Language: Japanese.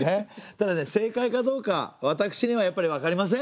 ただね正解かどうか私にはやっぱりわかりません。